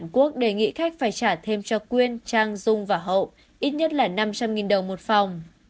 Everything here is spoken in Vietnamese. quốc đề nghị khách phải trả thêm cho quyên trang dung và hậu ít nhất là năm trăm linh đồng một phòng